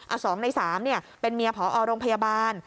อ่ะ๒ใน๓เนี่ยเป็นเมียผอโรงพยาบาล